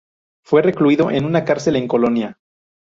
Fue recluido en una cárcel en Colonia.